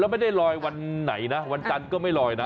ไม่ได้ลอยวันไหนนะวันจันทร์ก็ไม่ลอยนะ